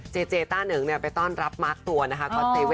เจเจต้าเหนิงไปต้อนรับมาร์คตัวนะคะ